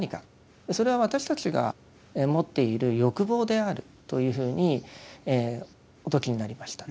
それは私たちが持っている欲望であるというふうにお説きになりました。